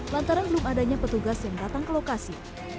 lantaran belum adanya petugas yang datang ke lokasi